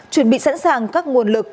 chuẩn bị sẵn sàng các nguồn lực